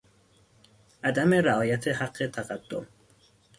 عدم رعایت حق تقدم